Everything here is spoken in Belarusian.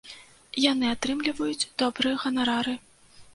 Яны атрымліваюць добрыя ганарары.